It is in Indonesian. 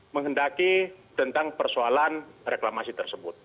menghendaki tentang persoalan reklamasi tersebut